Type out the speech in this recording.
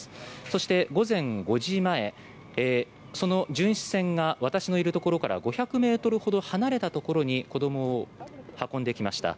そして午前５時前、その巡視船が私のいるところから５００ｍほど離れたところに子どもを運んできました。